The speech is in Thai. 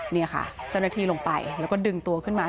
นี่ค่ะเจ้าหน้าที่ลงไปแล้วก็ดึงตัวขึ้นมา